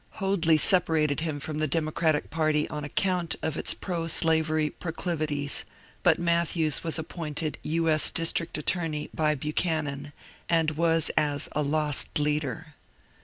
Hoadly separated himself from the Democratic party on ac count of its proslavery proclivities, but Matthews was ap pointed U. S. district attorney by Buchanan, and was as a ^^ Lost Leader."